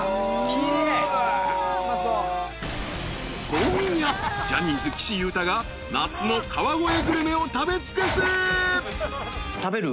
［今夜ジャニーズ岸優太が夏の川越グルメを食べ尽くす］